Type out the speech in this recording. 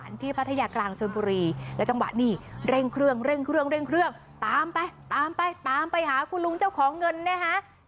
น้ำใจจริงเร่งเครื่องอย่างแรงนะฮะ